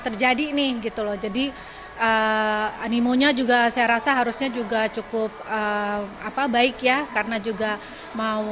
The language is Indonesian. terjadi nih gitu loh jadi animonya juga saya rasa harusnya juga cukup apa baik ya karena juga mau